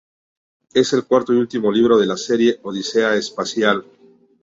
Es el cuarto y último libro de la serie "Odisea espacial".